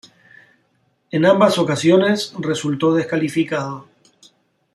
En ambas ocasiones resultó descalificado.